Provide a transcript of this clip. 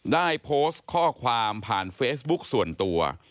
ได้โพสต์ข้อความผ่านเฟซบุ๊กส่วนตัว